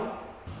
các quý đảng